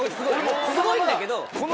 すごいんだけど。